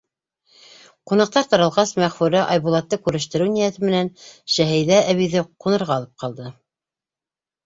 Ҡунаҡтар таралғас, Мәғфүрә, Айбулатты күрештереү ниәте менән, Шәһиҙә әбейҙе ҡунырға алып ҡалды.